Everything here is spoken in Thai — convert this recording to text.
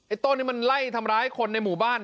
ต้นนี้มันไล่ทำร้ายคนในหมู่บ้าน